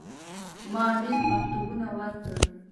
ما امیر مکتوبونه ورکړل.